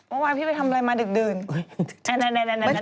วันวานพี่ไปทำอะไรมาดึก